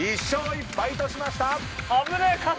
１勝１敗としました！